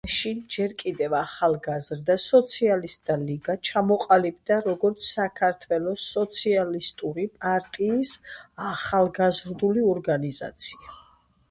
მაშინ ჯერ კიდევ ახალგაზრდა სოციალისტთა ლიგა, ჩამოყალიბდა როგორც საქართველოს სოციალისტური პარტიის ახალგაზრდული ორგანიზაცია.